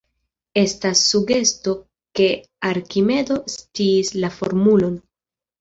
Estas sugesto ke Arkimedo sciis la formulon.